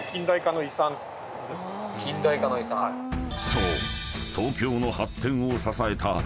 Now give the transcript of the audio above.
［そう］